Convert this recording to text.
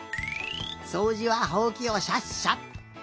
そうじはほうきをしゃっしゃっ。